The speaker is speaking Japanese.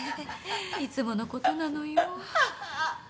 いつものことなのよ。